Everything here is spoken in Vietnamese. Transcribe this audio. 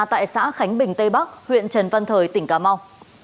tại xã khánh bình tây bắc huyện trần văn thời tỉnh cà mau